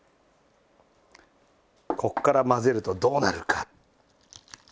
ここから混ぜるとどうなるか。